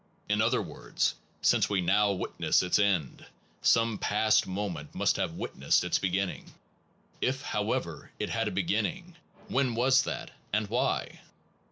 In other words, since we now witness its end, some past moment must have wit nessed its beginning. If, however, it had a be ginning, when was that, and why?